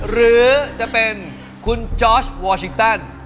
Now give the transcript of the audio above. หรือจะเป็นคุณจอร์สวอชิงตัน